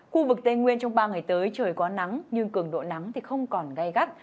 khu vực tây nguyên trong ba ngày tới trời có nắng nhưng cường độ nắng không gai gắt